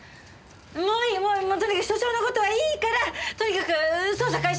もういいもういいとにかく署長の事はいいからとにかく捜査開始！